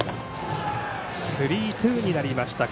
スリーツーになりました。